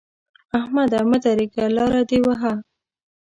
احمده! مه درېږه؛ لاره دې وهه.